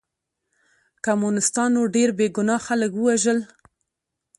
کمونستانو ډېر بې ګناه خلک ووژل